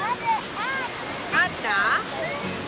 あった？